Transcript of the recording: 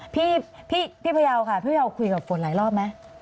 พี่พระเยาค่ะพี่พระเยาคุยกับฝนหลายรอบไหม